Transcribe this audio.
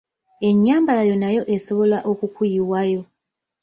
Ennyambala yo nayo esobola okukuyiwayo.